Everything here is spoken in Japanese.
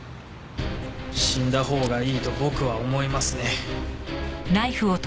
死んだほうがいいと僕は思いますね。